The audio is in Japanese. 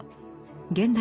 現代